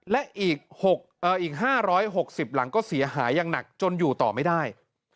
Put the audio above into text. และอีก๕๖๐หลังก็เสียหายยังหนักจนอยู่ต่อไม่ได้